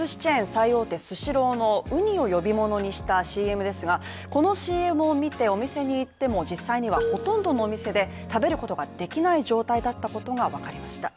最大手スシローのウニを呼び物にしたＣＭですが、このＣＭを見てお店に行っても実際にはほとんどの店で食べることができない状態だったことがわかりました。